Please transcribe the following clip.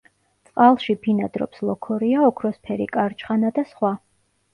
წყალში ბინადრობს ლოქორია, ოქროსფერი კარჩხანა და სხვა.